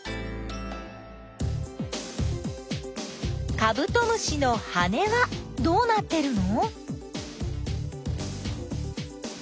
カブトムシの羽はどうなってるの？